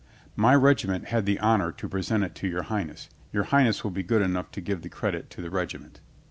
"My regiment had the honor to present it to Your Highness. Your Highness will be good enough to give the credit to the regiment."